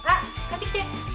買ってきて。